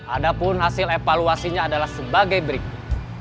adapun hasil evaluasinya adalah sebagai berikut